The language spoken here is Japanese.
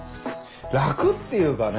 楽っていうかね